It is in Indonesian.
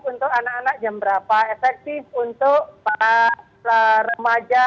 untuk anak anak jam berapa efektif untuk para remaja